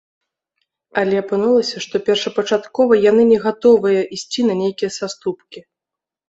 Але апынулася, што першапачаткова яны не гатовыя ісці на нейкія саступкі.